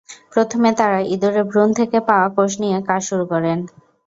প্রথমে তাঁরা ইঁদুরের ভ্রূণ থেকে পাওয়া কোষ নিয়ে কাজ শুরু করেন।